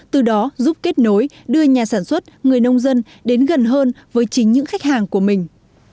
từ đó giúp kết nối đưa nhà sản xuất người nông dân đến gần hơn với chính những khách hàng của mình